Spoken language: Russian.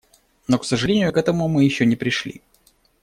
Но, к сожалению, к этому мы еще не пришли.